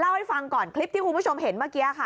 ให้ฟังก่อนคลิปที่คุณผู้ชมเห็นเมื่อกี้ค่ะ